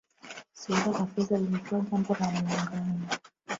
Suala la fedha lilikuwa jambo la Muungano